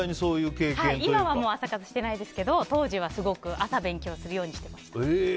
今は朝活してないですけど当時は、すごく朝、勉強するようにしてました。